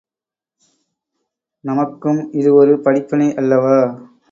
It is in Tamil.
நமக்கும் இது ஒரு படிப்பினை அல்லவா?